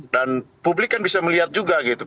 dan publik kan bisa melihat juga gitu